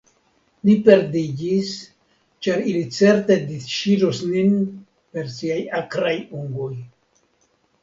Ni perdiĝis, ĉar ili certe disŝiros nin per siaj akraj ungoj.